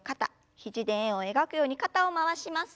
肘で円を描くように肩を回します。